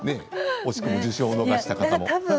惜しくも受賞を逃した方も。